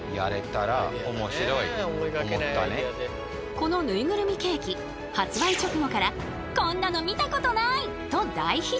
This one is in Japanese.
このぬいぐるみケーキ発売直後から「こんなの見たことない！」と大ヒット。